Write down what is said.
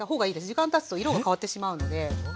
時間たつと色が変わってしまうので。